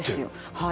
はい。